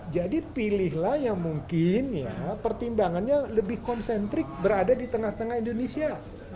jadi pilihlah yang mungkin pertimbangannya lebih konsentrik berada di tengah tengah indonesia